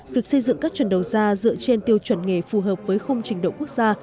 việc xây dựng các chuẩn đầu ra dựa trên tiêu chuẩn nghề phù hợp với khung trình độ quốc gia